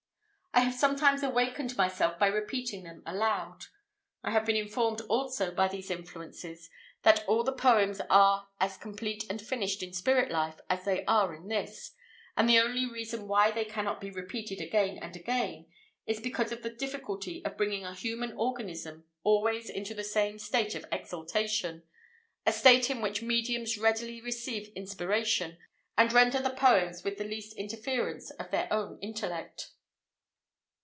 I have sometimes awakened myself by repeating them aloud. I have been informed, also, by these influences, that all their poems are as complete and finished in spirit life as they are in this, and the only reason why they cannot be repeated again and again is because of the difficulty of bringing a human organism always into the same state of exaltation a state in which mediums readily receive inspiration, and render the poems with the least interference of their own intellect.